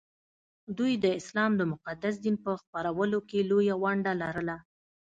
دوی د اسلام د مقدس دین په خپرولو کې لویه ونډه لرله